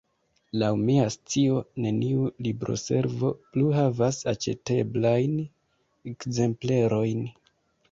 Laŭ mia scio neniu libroservo plu havas aĉeteblajn ekzemplerojn.